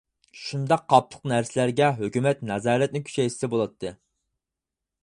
شۇنداق قاپلىق نەرسىلەرگە ھۆكمەت نازارەتنى كۈچەيتسە بولاتتى.